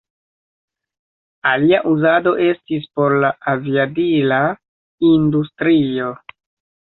Alia uzado estis por la aviadila industrio.